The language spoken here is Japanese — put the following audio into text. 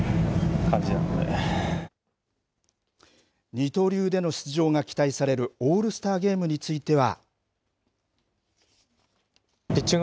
二刀流での出場が期待されるオールスターゲームについては。